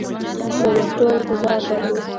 بریسټو انتظار درلود.